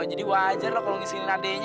jadi wajar loh kalau ngisengin adeknya